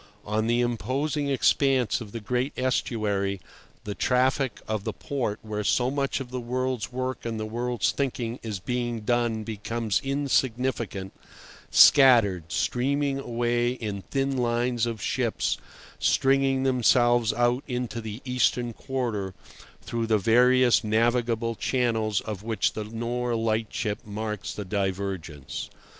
On the imposing expanse of the great estuary the traffic of the port where so much of the world's work and the world's thinking is being done becomes insignificant, scattered, streaming away in thin lines of ships stringing themselves out into the eastern quarter through the various navigable channels of which the Nore lightship marks the divergence.